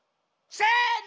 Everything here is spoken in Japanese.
せの！